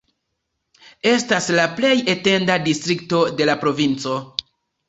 Estas la plej etenda distrikto de la provinco.